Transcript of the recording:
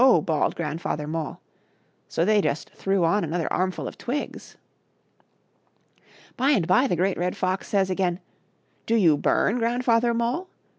bawled Grandfather Mole. So they just threw on another arm ful of twigs. By and by the Great Red Fox says again :" Do you bum. Grandfather Mole